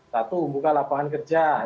satu membuka lapangan kerja